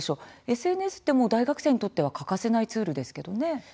ＳＮＳ、大学生にとって欠かせないツールですけど。